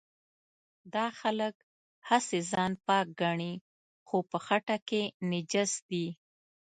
دا خلک هسې ځان پاک ګڼي خو په خټه کې نجس دي.